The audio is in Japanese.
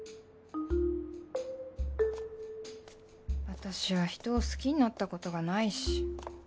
私は人を好きになったことがないし。